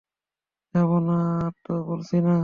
যাবো না তা তো বলছি না।